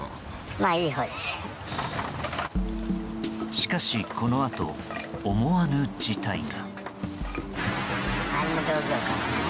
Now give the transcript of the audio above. しかし、このあと思わぬ事態が。